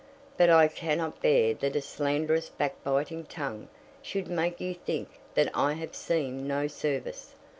But I cannot bear that a slanderous backbiting tongue should make you think that I have seen no service.